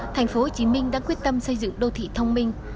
tp hcm đã quyết tâm xây dựng đô thị thông minh